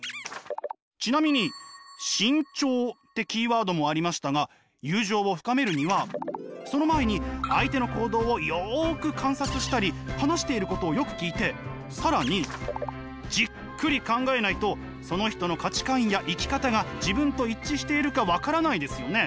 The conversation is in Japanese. ちなみに「慎重」ってキーワードもありましたが友情を深めるにはその前に相手の行動をよく観察したり話していることをよく聞いて更にじっくり考えないとその人の価値観や生き方が自分と一致しているか分からないですよね？